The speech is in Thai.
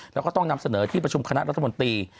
แล้วก็ต้องนำเสนอที่ประชุมคณะรัฐมนตรี